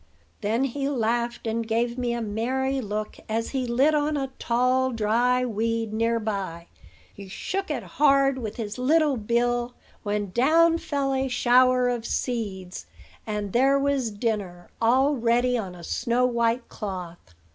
"Then he laughed, and gave me a merry look as he lit on a tall, dry weed near by. He shook it hard with his little bill; when down fell a shower of seeds, and there was dinner all ready on a snow white cloth.